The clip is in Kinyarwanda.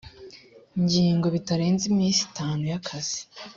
ngingo bitarenze iminsi itanu y akazi